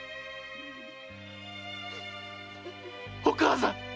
お母さん！